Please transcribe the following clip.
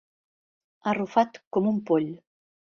Arrufat com un poll.